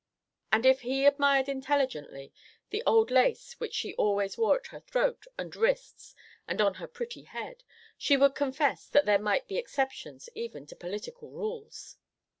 And if he admired intelligently the old lace which she always wore at her throat and wrists and on her pretty head, she would confess that there might be exceptions even to political rules.